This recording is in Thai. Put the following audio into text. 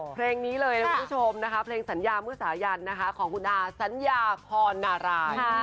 เพลงนี้เลยทุกทุกชมเพลงสัญญาเมื่อสายันของคุณอาสัญญาพรนารายย์